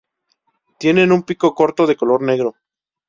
Tienen un pico corto de color negro.